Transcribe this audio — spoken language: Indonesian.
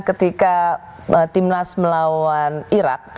ketika timnas melawan irak